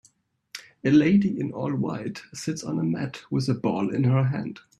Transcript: A lady in all white sits on a mat with a ball in her hand.